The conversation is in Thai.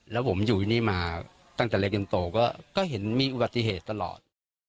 แล้วผมอยู่ที่นี่มาตั้งแต่เล็กยังโตก็เห็นมีอุบัติเหตุตลอด